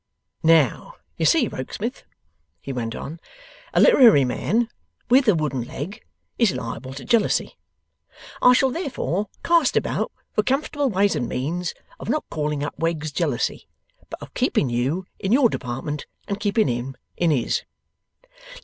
'Now, you see, Rokesmith,' he went on, 'a literary man WITH a wooden leg is liable to jealousy. I shall therefore cast about for comfortable ways and means of not calling up Wegg's jealousy, but of keeping you in your department, and keeping him in his.